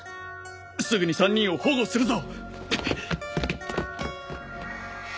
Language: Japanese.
すぐに３人を保護するぞ！